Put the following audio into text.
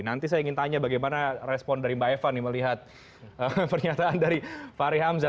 nanti saya ingin tanya bagaimana respon dari mbak eva melihat pernyataan dari fahri hamzah